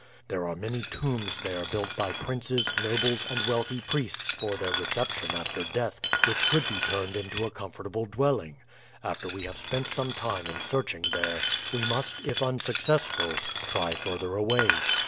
There are many tombs there built by princes, nobles, and wealthy priests for their reception after death which could be turned into a comfortable dwelling. After we have spent some time in searching there, we must, if unsuccessful, try further away.